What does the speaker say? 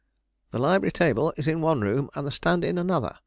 "The library table is in one room, and the stand in another.